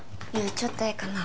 ちょっとええかな？